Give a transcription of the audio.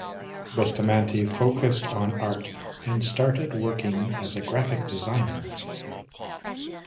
Bustamante focused on art and started working as a graphic designer.